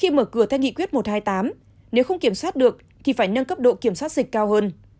khi mở cửa theo nghị quyết một trăm hai mươi tám nếu không kiểm soát được thì phải nâng cấp độ kiểm soát dịch cao hơn